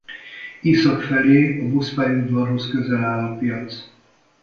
Észak felé a buszpályaudvarhoz közel áll a piac.